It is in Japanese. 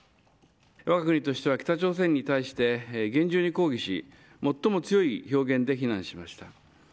わが国としては北朝鮮に対して厳重に抗議し最も強い表現で非難しました。